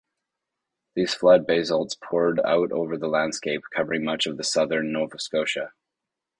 These flood basalts poured out over the landscape, covering much of southern Nova Scotia.